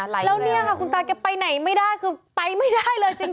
แล้วเนี่ยค่ะคุณตาแกไปไหนไม่ได้คือไปไม่ได้เลยจริง